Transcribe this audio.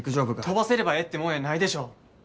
飛ばせればええってもんやないでしょ。